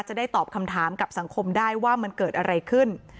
จะได้ตอบคำถามกับสังคมได้ว่ามันเกิดอะไรขึ้น